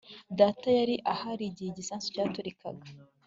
Data yari ahari igihe igisasu cyaturikaga